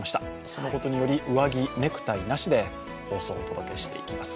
そのことにより、上着、ネクタイなしで放送をお届けしていきます。